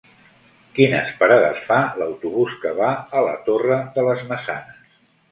Quines parades fa l'autobús que va a la Torre de les Maçanes?